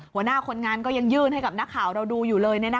หัวหน้าคนงานก็ยังยื่นให้กับนักข่าวเราดูอยู่เลย